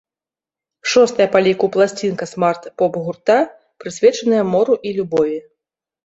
Шостая па ліку пласцінка смарт-поп гурта, прысвечаная мору і любові.